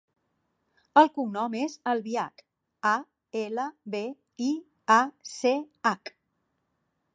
El cognom és Albiach: a, ela, be, i, a, ce, hac.